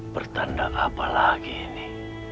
pertanda apalagi ini